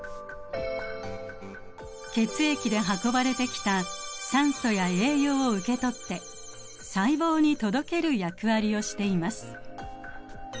血液で運ばれてきた酸素や栄養を受け取って細胞に届ける役割をしています。